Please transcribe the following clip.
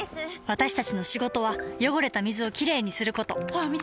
私たちの仕事は汚れた水をきれいにすることホアン見て！